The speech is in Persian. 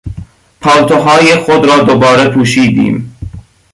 پالتوهای خود را دوباره پوشیدیم.